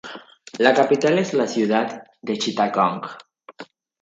La capital es la ciudad de Chittagong.